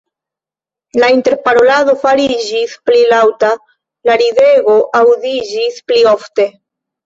La interparolado fariĝis pli laŭta, la ridego aŭdiĝis pli ofte.